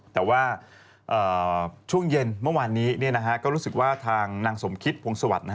แต่ว่าช่วงเย็นเมื่อวานนี้ก็รู้สึกว่าทางนางสมคิตพงศวรรค์